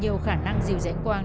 nhiều khả năng diều giãnh quang